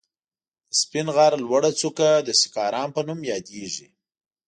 د سپين غر لوړه څکه د سيکارام په نوم ياديږي.